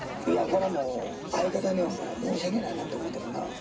これはもう、相方にはもう、申し訳ないなと思うてるな。